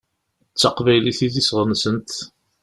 D taqbaylit i d iseɣ-nsent.